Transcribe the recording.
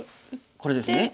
これですね。